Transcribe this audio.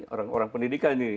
orang orang pendidikan ini